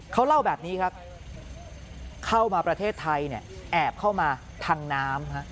เขาเล่าแบบนี้ครับเข้ามาประเทศไทยเนี่ยแอบเข้ามาทางน้ำ